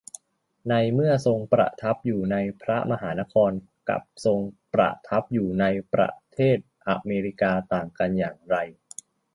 ในเมื่อทรงประทับอยู่ในพระมหานคร กับทรงประทับอยู่ในประเทศอเมริกา ต่างกันอย่างไร